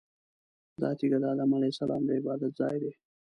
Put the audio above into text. دا تیږه د ادم علیه السلام د عبادت ځای دی.